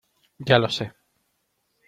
ya lo sé.